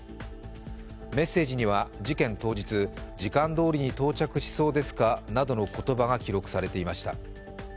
メッセージには、事件当日、時間どおりに到着しそうですかなどの言葉が記録されていました。